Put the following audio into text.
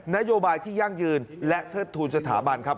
นโยบายที่ยั่งยืนและเทิดทูลสถาบันครับ